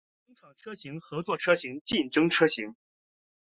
同厂车型合作车型竞争车型